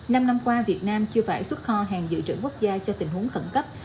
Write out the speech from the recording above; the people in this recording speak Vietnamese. năm năm qua việt nam chưa phải xuất kho hàng dự trữ quốc gia cho tình huống khẩn cấp